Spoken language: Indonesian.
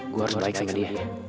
gue harus baik sama dia